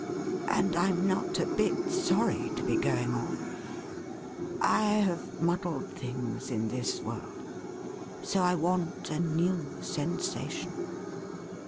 And I'm not a bit sorry to be going off. I have muddled things in this world. So I want a new sensation.